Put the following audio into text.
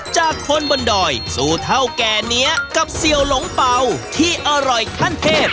จากคนบนดอยสู่เท่าแก่นี้กับเสี่ยวหลงเป่าที่อร่อยขั้นเทพ